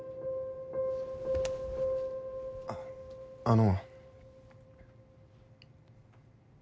あっあの。